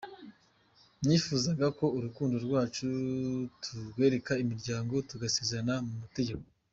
Nifuzaga ko urukundo rwacu turwereka imiryango, tugasezerana mu mategeko.